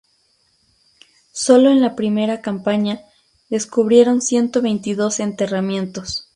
Sólo en la primera campaña, descubrieron ciento veintidós enterramientos.